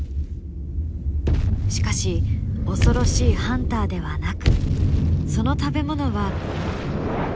しかし恐ろしいハンターではなくその食べ物は。